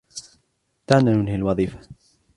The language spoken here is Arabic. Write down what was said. دعنا ننهي الوظيفة.